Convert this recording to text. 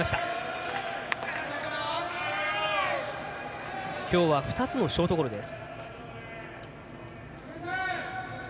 中村きょうは２つのショートゴロです。